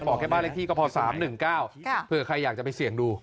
บอกแค่บ้านเลขที่ก็พอ๓๑๙เผื่อใครอยากจะไปเสี่ยงดู